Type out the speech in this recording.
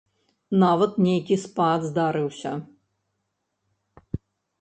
Нават нейкі спад здарыўся.